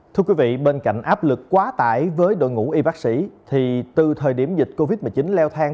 thưa quý vị bên cạnh áp lực quá tải với đội ngũ y bác sĩ thì từ thời điểm dịch covid một mươi chín leo thang